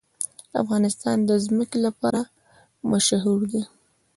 افغانستان د ځمکه لپاره مشهور دی.